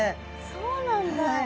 そうなんだ。